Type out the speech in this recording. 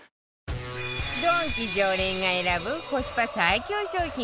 ドンキ常連が選ぶコスパ最強商品